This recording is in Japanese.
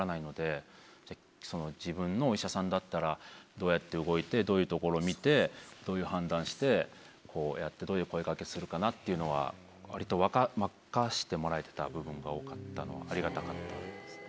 自分のお医者さんだったらどうやって動いてどういうところを診てどういう判断してこうやってどういう声掛けするかなっていうのは割と任せてもらえてた部分が多かったのはありがたかったですね。